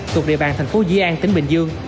thuộc địa bàn tp di an tỉnh bình dương